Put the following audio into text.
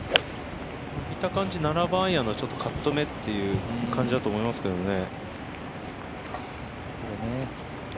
見た感じ７番アイアンの少しカット目という感じだと思いますけどね。